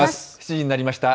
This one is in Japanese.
７時になりました。